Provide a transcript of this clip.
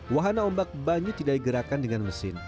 wahana ombak banyu tidak digerakkan dengan mesin